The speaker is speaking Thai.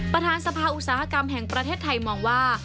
ประธานสภาอุตสาหกรรมแห่งประเทศไทยมองว่า